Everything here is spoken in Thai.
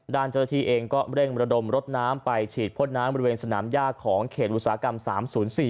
เจ้าหน้าที่เองก็เร่งระดมรถน้ำไปฉีดพ่นน้ำบริเวณสนามย่าของเขตอุตสาหกรรม๓๐๔